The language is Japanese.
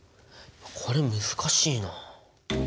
これ難しいな。